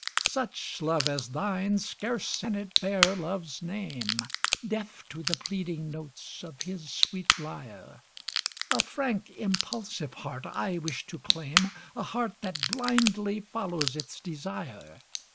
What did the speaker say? Such love as thine, scarce can it bear love's name, Deaf to the pleading notes of his sweet lyre, A frank, impulsive heart I wish to claim, A heart that blindly follows its desire.